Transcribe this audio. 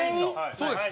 そうです。